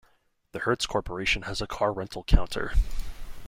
The Hertz Corporation has a car rental counter.